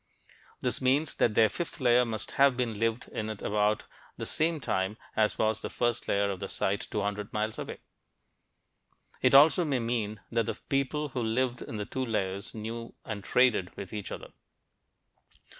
This means that their fifth layer must have been lived in at about the same time as was the first layer in the site 200 miles away. It also may mean that the people who lived in the two layers knew and traded with each other.